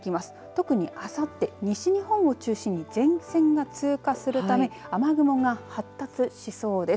特にあさって西日本を中心に前線が通過するため雨雲が発達しそうです。